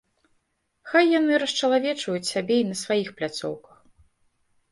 Хай яны расчалавечваюць сябе і на сваіх пляцоўках.